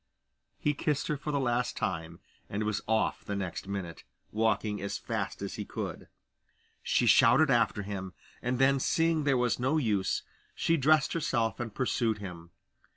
He kissed her for the last time, and was off the next minute, walking as fast as he could. She shouted after him, and then seeing there was no use, she dressed herself and pursued him.